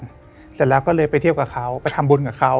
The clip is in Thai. เสร็จแล้วก็เลยไปเที่ยวกับเขาไปทำบุญกับเขา